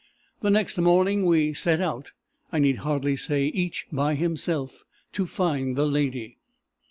The next morning we set out, I need hardly say each by himself, to find the lady.